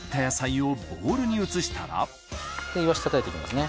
イワシたたいていきますね。